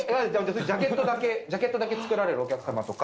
ジャケットだけ、ジャケットだけ作られるお客様とか。